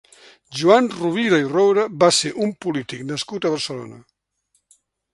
Joan Rovira i Roure va ser un polític nascut a Barcelona.